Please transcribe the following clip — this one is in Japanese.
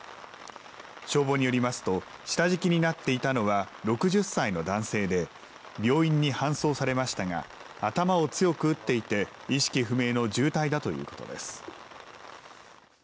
消防によりますと下敷きになっていたのは６０歳の男性で病院に搬送されましたが頭を強く打っていて意識不明の重体だということです。